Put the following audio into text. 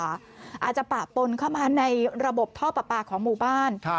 อาจจะปะปนเข้ามาในระบบท่อปลาปลาของหมู่บ้าน